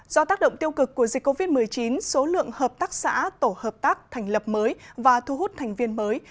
do tác động tiêu cực của dịch covid một mươi chín số lượng hợp tác xã tổ hợp tác thành lập mới và thu hút thành viên mới